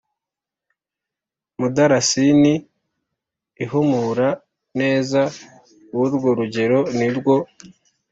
mudarasini ihumura neza w urwo rugero Ni rwo